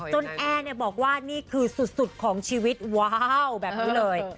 แอร์บอกว่านี่คือสุดของชีวิตว้าวแบบนี้เลย